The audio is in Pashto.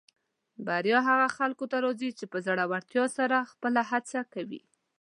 بریا هغه خلکو ته راځي چې په زړۀ ورتیا سره خپله هڅه کوي.